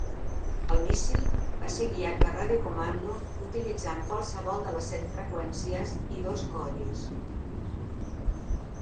El míssil va ser guiat per radiocomando, utilitzant qualsevol de les set freqüències i dos codis.